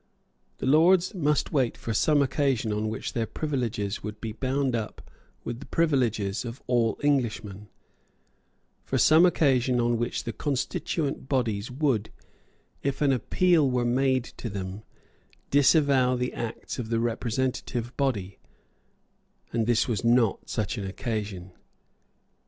The Lords must wait for some occasion on which their privileges would be bound up with the privileges of all Englishmen, for some occasion on which the constituent bodies would, if an appeal were made to them, disavow the acts of the representative body; and this was not such an occasion.